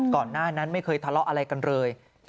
ก่อนหน้านั้นไม่เคยทะเลาะอะไรกันเลย